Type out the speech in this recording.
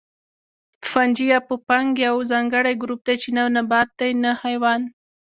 فنجي یا پوپنک یو ځانګړی ګروپ دی چې نه نبات دی نه حیوان